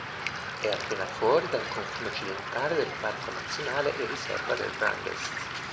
È appena fuori dal confine occidentale del Parco nazionale e riserva di Wrangell-St.